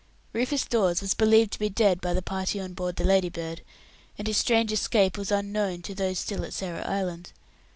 Rufus Dawes was believed to be dead by the party on board the Ladybird, and his strange escape was unknown to those still at Sarah Island.